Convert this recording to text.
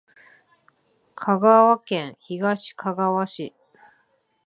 香川県東かがわ市